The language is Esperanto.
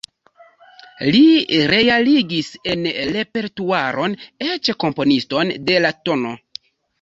Li realigis en repertuaron eĉ komponiston de la tn.